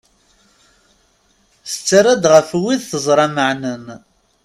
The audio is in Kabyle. Tettara-d ɣef wid teẓra meɛnen.